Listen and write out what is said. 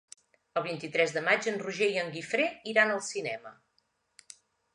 El vint-i-tres de maig en Roger i en Guifré iran al cinema.